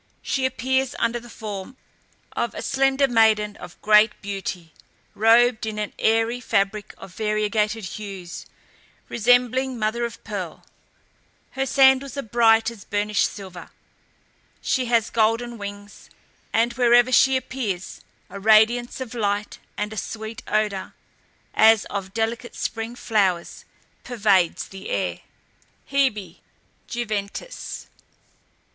She appears under the form of a slender maiden of great beauty, robed in an airy fabric of variegated hues, resembling mother of pearl; her sandals are bright as burnished silver, she has golden wings, and wherever she appears, a radiance of light, and a sweet odour, as of delicate spring flowers, pervades the air. HEBE (JUVENTAS).